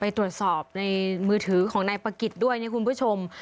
ตรวจสอบในมือถือของนายปะกิจด้วยนะคุณผู้ชม